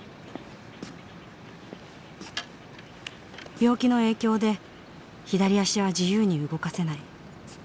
病気の影響で左足は自由に動かせない。